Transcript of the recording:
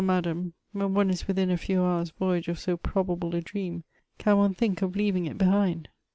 madame, when one is within a few hours' voyage of so pro bable a dream, can one think of leaving it behind